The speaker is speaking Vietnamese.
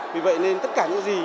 vì vậy nên tất cả những gì